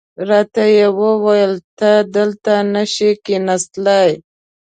راته یې وویل ته دلته نه شې کېناستلای.